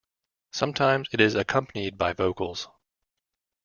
Sometimes it is accompanied by vocals.